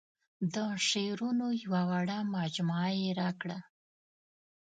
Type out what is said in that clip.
د شعرونو یوه وړه مجموعه یې راکړه.